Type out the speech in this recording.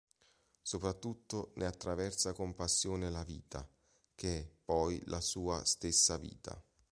Soprattutto ne attraversa con passione la vita: che è poi la sua stessa vita.